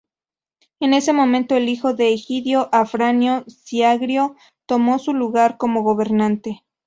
En ese momento, el hijo de Egidio, Afranio Siagrio, tomó su lugar como gobernante.